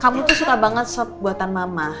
kamu tuh suka banget sop buatan mama